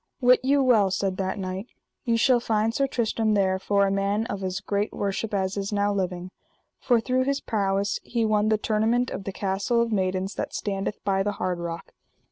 Wit you well, said that knight, ye shall find Sir Tristram there for a man of as great worship as is now living; for through his prowess he won the tournament of the Castle of Maidens that standeth by the Hard Rock.